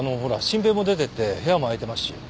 真平も出てって部屋も空いてますし。